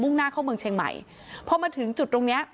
่งหน้าเข้าเมืองเชียงใหม่พอมาถึงจุดตรงเนี้ย